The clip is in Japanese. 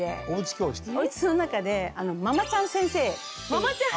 おうちの中で「ママちゃん先生」っていう。